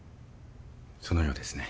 そのようですね。